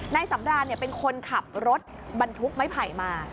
นายสำรานเป็นคนขับรถบรรทุกไม้ไผ่มา